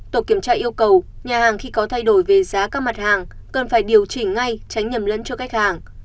tổ kiểm tra yêu cầu nhà hàng khi có thay đổi về giá các mặt hàng cần phải điều chỉnh ngay tránh nhầm lẫn cho khách hàng